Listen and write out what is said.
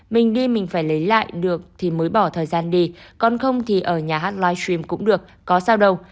mình đi mình phải lấy lại được thì mới bỏ thời gian đi còn không thì ở nhà hát livestream cũng được có sao đâu